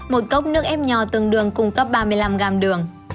một cốc nước ép nhò tương đường cung cấp ba mươi năm g đường